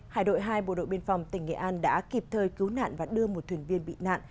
hải đội hai bộ đội biên phòng tỉnh nghệ an đã kịp thời cứu nạn và đưa một thuyền viên bị nạn